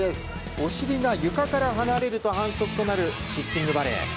お尻が床から離れると反則となるシッティングバレー。